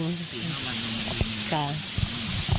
สี่ห้าวันค่ะ